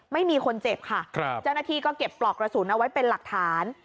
ไม่มีคนเจ็บค่ะเจ้าหน้าที่ก็เก็บปลอกกระสุนเอาไว้เป็นหลักฐาน